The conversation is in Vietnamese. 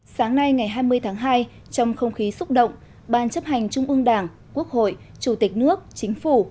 sáng nay ngày hai mươi tháng hai trong không khí xúc động ban chấp hành trung ương đảng quốc hội chủ tịch nước chính phủ